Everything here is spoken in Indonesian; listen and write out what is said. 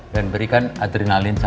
dan berikan adrenalin